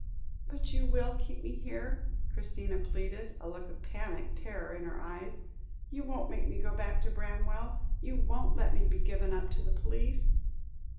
"But you will keep me here?" Christina pleaded, a look of panic terror in her eyes. "You won't make me go back to Bramwell? You won't let me be given up to the police?"